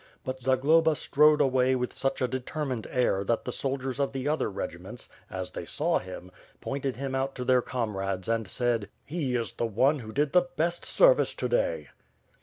But Zagloba strode away with such a de termined air that the soldiers of the other regiments, as they saw him, pointed him out to their comrades and said: "He is the one who did the best service to day."